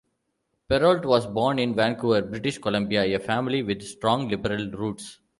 Perrault was born in Vancouver, British Columbia a family with strong Liberal roots.